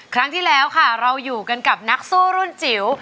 ครั้งที่แล้วค่ะเราอยู่กันกับนักสู้รุ่นจิ๋ว